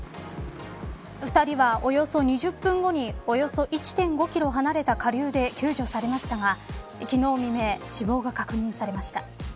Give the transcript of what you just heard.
２人は、およそ２０分後におよそ１．５キロ離れた下流で救助されましたが昨日未明死亡が確認されました。